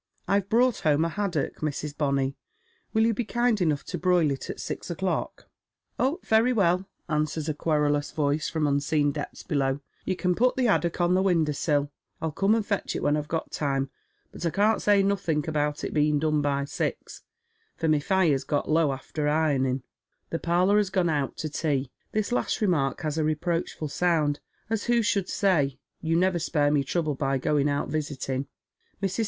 " I've brought home a haddock, Mrs. Bonny. Will you be kind finou^h to bruil it at sis o'clock ?"•* Plunged in the Deptrt of Helpless Poverty.^ 9 " Ob, very well," answers a querulous voice from unseen depths hc'low, " You can put the 'addock on the window sii/ I'll com© and fetch it when I've got time ; but I can't say Dt»»uink about It's being done by six, for my fire's got low after uonin'. Tli*i parlour has gone out to tea." This last remark has a reproachful sound, as wao should say •' You never spare me trouble by going out visit! 'g." ]\Irs.